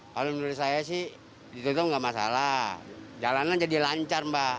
kalau menurut saya sih ditutup nggak masalah jalanan jadi lancar mbak